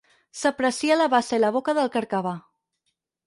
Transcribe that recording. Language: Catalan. S'aprecia la bassa i la boca del carcabà.